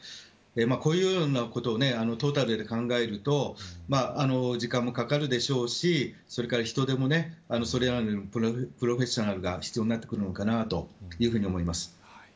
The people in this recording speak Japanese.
こういうことをトータルで考えると時間もかかるでしょうしそれから人手も、それなりのプロフェッショナルが必要になってくるかと思います。